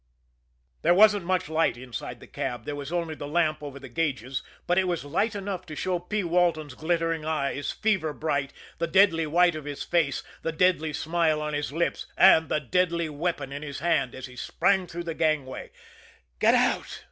There wasn't much light inside the cab there was only the lamp over the gauges but it was light enough to show P. Walton's glittering eyes, fever bright, the deadly white of his face, the deadly smile on his lips, and the deadly weapon in his hand, as he sprang through the gangway. "Get out!"